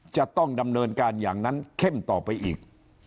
จะต้องดำเนินการอย่างนั้นเข้มต่อไปอีก